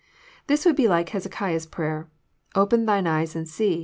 This would be like Hezekiah's prayer: "Open Thine eyes and see.